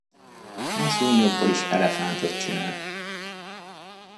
A szúnyogból is elefántot csinál.